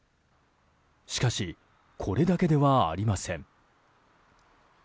しかしこれだけではありません。